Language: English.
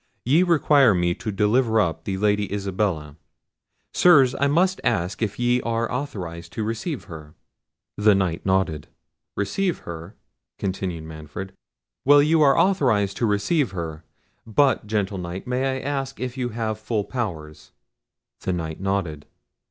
Ye require me to deliver up the Lady Isabella. Sirs, I must ask if ye are authorised to receive her?" The Knight nodded. "Receive her," continued Manfred; "well, you are authorised to receive her, but, gentle Knight, may I ask if you have full powers?" The Knight nodded.